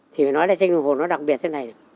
thì mới nói là tranh đồng hồ nó đặc biệt thế này